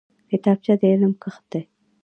کتابچه د علم کښت دی